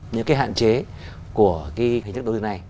những cái hạn chế của cái hình thức đối với này